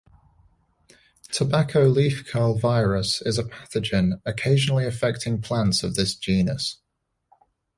Tobacco leaf curl virus is a pathogen occasionally affecting plants of this genus.